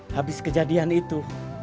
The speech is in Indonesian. habis kejadian itu